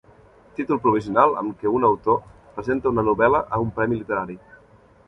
Títol provisional amb què un autor presenta una novel·la a un premi literari.